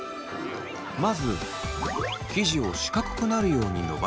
まず生地を四角くなるように伸ばします。